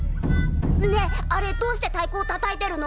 ねえあれどうしてたいこをたたいてるの？